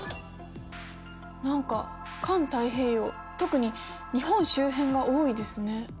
何か環太平洋特に日本周辺が多いですね。